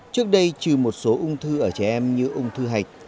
trước đây trừ một số ung thư ở trẻ em như ung thư hạch